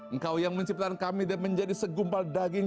engkau yang menciptakan kami dari segumpal daging